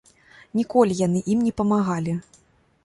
Ніколі яны ім не памагалі.